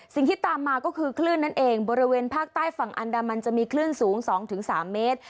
สิ่งที่ตามมาก็คือคลื่นนั่นเองบริเวณภาคใต้ฝั่งอันดามันจะมีคลื่นสูง๒๓เมตร